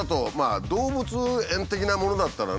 動物園的なものだったらね